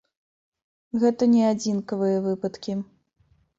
Гэта не адзінкавыя выпадкі.